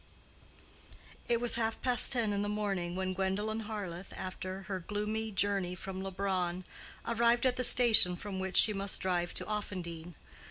It was half past ten in the morning when Gwendolen Harleth, after her gloomy journey from Leubronn, arrived at the station from which she must drive to Offendene.